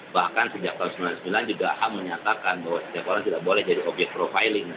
bahkan sejak tahun seribu sembilan ratus sembilan puluh sembilan juga ham menyatakan bahwa setiap orang tidak boleh jadi obyek profiling